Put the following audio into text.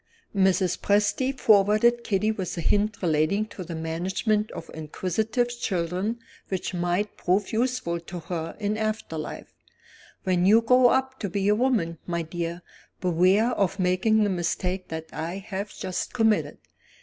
Mrs. Presty favored Kitty with a hint relating to the management of inquisitive children which might prove useful to her in after life. "When you grow up to be a woman, my dear, beware of making the mistake that I have just committed.